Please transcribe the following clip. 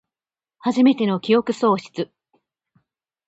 はじめての記憶喪失